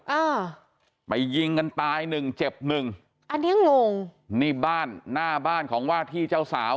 อ่าไปยิงกันตายหนึ่งเจ็บหนึ่งอันเนี้ยงงนี่บ้านหน้าบ้านของว่าที่เจ้าสาว